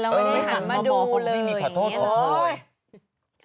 แล้วไม่ฝันมาดูเลย